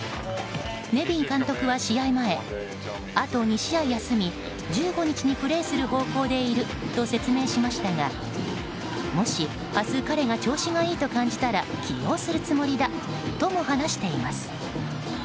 ネビン監督は、試合前あと２試合休み１５日にプレーする方向でいると説明しましたがもし明日彼が調子がいいと感じたら起用するつもりだとも話しています。